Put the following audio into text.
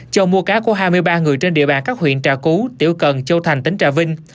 châu mua cá của hai mươi ba người trên địa bàn các huyện trà cú tiểu cần châu thành tỉnh trà vinh